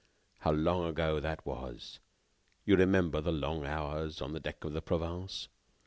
how long ago that was! You remember the long hours on the deck of the 'Provence.